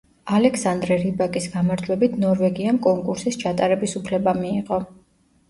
ალექსანდრე რიბაკის გამარჯვებით ნორვეგიამ კონკურსის ჩატარების უფლება მიიღო.